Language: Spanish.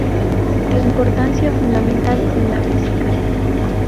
De importancia fundamental en la física.